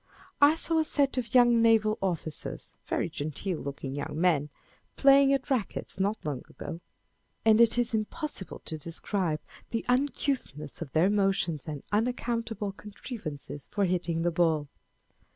I saw a set of young naval officers, very genteel looking young men, playing at rackets not long ago, and it is impossible to describe the uncouthness of their motions and unaccountable contri vances for hitting the ball.